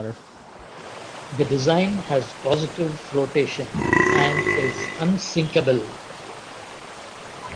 The design has positive flotation and is unsinkable.